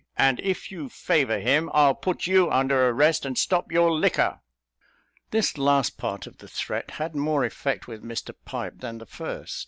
"and if you favour him, I'll put you under arrest, and stop your liquor." This last part of the threat had more effect with Mr Pipe than the first.